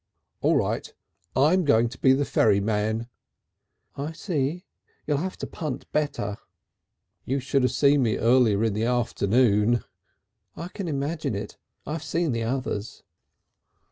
"All right. I'm going to be the ferryman." "I see. You'll have to punt better." "You should have seen me early in the afternoon." "I can imagine it.... I've seen the others."